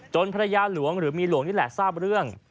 ภรรยาหลวงหรือเมียหลวงนี่แหละทราบเรื่อง